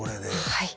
はい。